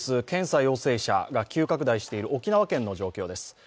検査陽性者が急拡大している沖縄の状況です。